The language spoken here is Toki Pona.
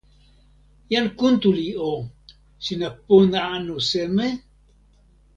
jan Kuntuli o! sina pona anu seme?